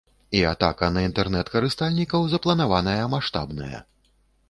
І атака на інтэрнэт-карыстальнікаў запланаваная маштабная.